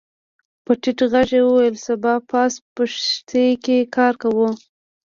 په ټيټ غږ يې وويل سبا پاس پښتې کې کار کوو.